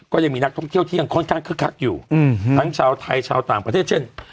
ก็ยังมีนักท่องเที่ยวที่ยังค่อนข้างคึกคักอยู่ทั้งชาวไทยชาวต่างประเทศเช่น